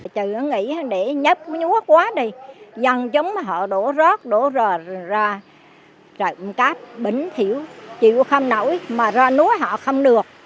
chứ nghĩ để nhấp nhuốc quá đi dần chống họ đổ rớt đổ rờ ra rợn cáp bến thiểu chịu không nổi mà ra nuôi họ không được